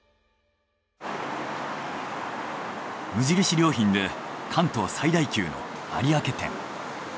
良品で関東最大級の有明店。